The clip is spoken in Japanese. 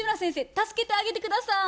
助けてあげて下さい！